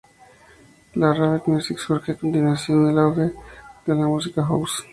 La rave music surge a continuación del auge de la música house.